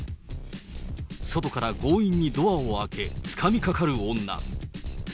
外から強引にドアを開け、つかみかかる女。